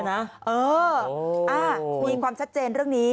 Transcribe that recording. เออมีความชัดเจนเรื่องนี้